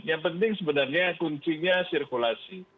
yang penting sebenarnya kuncinya sirkulasi